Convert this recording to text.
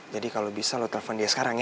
jadi kalau bisa lo telfon dia sekarang ya